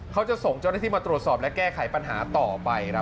เขาจะส่งเจ้าหน้าที่มาตรวจสอบและแก้ไขปัญหาต่อไปครับ